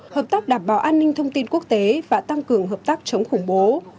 hợp tác đảm bảo an ninh thông tin quốc tế và tăng cường hợp tác chống khủng bố